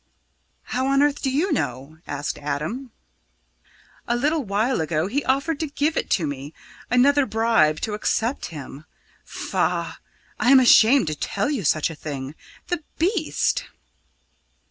"How on earth do you know?" asked Adam. "A little while ago he offered to give it to me another bribe to accept him. Faugh! I am ashamed to tell you such a thing. The beast!"